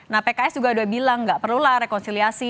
nah pks juga udah bilang gak perlulah rekonsiliasi